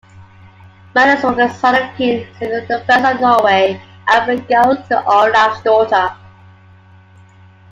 Magnus was the son of King Sigurd I of Norway and Borghild Olavsdotter.